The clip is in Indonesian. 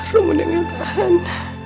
rum udah gak tahan